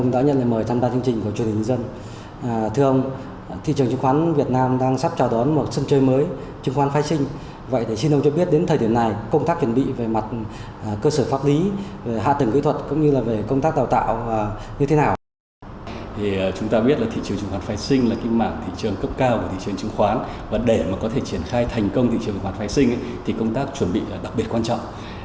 để có thể triển khai thành công thị trường chứng khoán phai sinh công tác chuẩn bị đặc biệt quan trọng